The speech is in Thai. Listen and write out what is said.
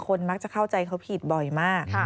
มักจะเข้าใจเขาผิดบ่อยมาก